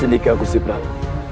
ini aku siberang